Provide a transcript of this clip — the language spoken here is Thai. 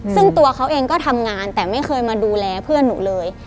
ซึ่งตัวเขาเองก็ทำงานแต่ไม่เคยมาดูแลเพื่อนหนูเลย